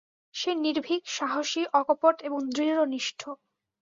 সে নির্ভীক, সাহসী, অকপট এবং দৃঢ়নিষ্ঠ।